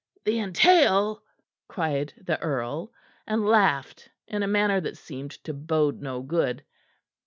The entail?" cried the earl, and laughed in a manner that seemed to bode no good.